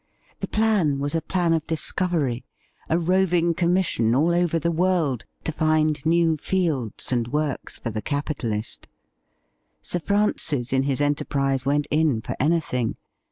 The plan was a plan of discovery — a rovino commission all over the world to find new fields and ' WILL YOU STAND IN WITH US F 161 works for the capitalist. Sir Francis in his enterprise went in for anything.